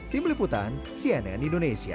tim liputan cnn indonesia